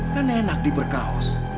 kan enak diberkaos